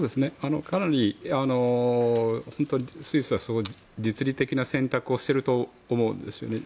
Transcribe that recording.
かなりスイスは実利的な選択をしてると思うんですよね。